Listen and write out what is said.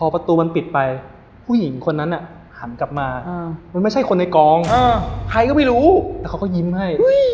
พูดเนี้ยพาไปถามคนนั้นใช่บอกที่